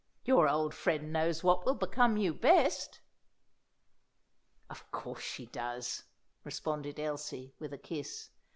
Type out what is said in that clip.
Your old friend knows what will become you best!" "Of course she does," responded Elsie, with a kiss.